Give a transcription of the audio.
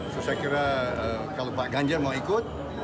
saya kira kalau pak ganjar mau ikut